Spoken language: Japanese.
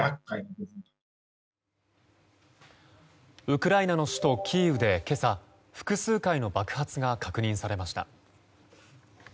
ウクライナの首都キーウで今朝複数回の爆発が確認されました。